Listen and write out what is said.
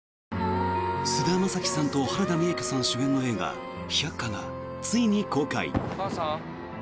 菅田将暉さんと原田美枝子さん主演の映画「百花」がついに公開。